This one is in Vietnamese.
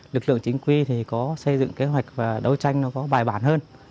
lực lượng chính quy có xây dựng kế hoạch và đấu tranh có bài bản hơn